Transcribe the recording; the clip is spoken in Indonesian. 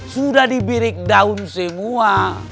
sudah dibirik daun semua